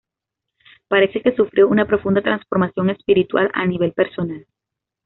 Parece que sufrió una profunda transformación espiritual a nivel personal.